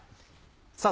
さぁ